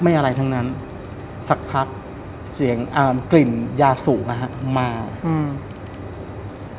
อะไรทั้งนั้นสักพักเสียงอ่ากลิ่นยาสูบอ่ะฮะมาอืม